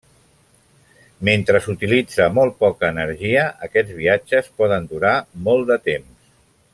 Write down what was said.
Mentre s'utilitza molt poca energia, aquests viatges poden durar molt de temps.